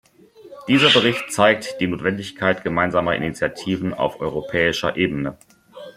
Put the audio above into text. Dieser Bericht zeigt die Notwendigkeit gemeinsamer Initiativen auf europäischer Ebene.